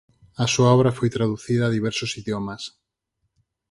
A súa obra foi traducida a diversos idiomas.